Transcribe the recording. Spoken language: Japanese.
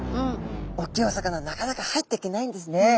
おっきいお魚なかなか入ってけないんですね。